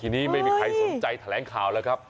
ทีนี้ไม่มีใครสนใจแถลงข่าวแล้วครับ